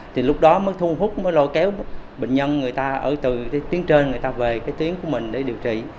thì lúc đó mới thu hút mới lôi kéo bệnh nhân người ta ở từ tuyến trên người ta về cái tuyến của mình để điều trị